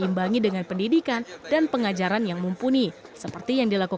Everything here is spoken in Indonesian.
ia menganggap keinginan membuat konten hiburan yang berkualitas di indonesia